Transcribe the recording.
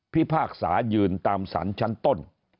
พี่ภาคศายืนตามศาลชั้นต้น